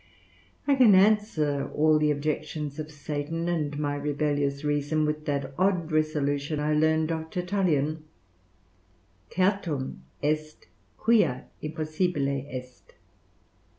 I can answer all the objections of Satan and my rebellious reason with that odd resolution I learned of Tertullian, "Certum est quia impossible est."